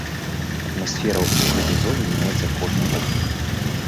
Атмасфера ў гэтай зоне мяняецца кожную гадзіну.